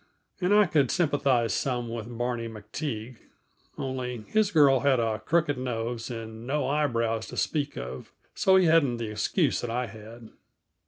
And I could sympathize some with Barney MacTague; only, his girl had a crooked nose and no eyebrows to speak of, so he hadn't the excuse that I had.